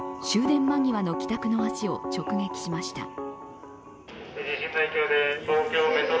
終電間際の帰宅の足を直撃しました。